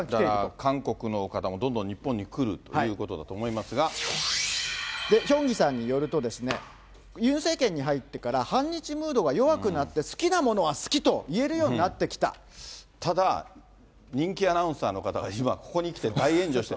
だから韓国の方もどんどん日本に来るということだと思いますで、ヒョンギさんによるとですね、ユン政権に入ってから、反日ムードが弱くなって、好きなものは好きと言えるようになってただ、人気アナウンサーの方が今、ここにきて大炎上して。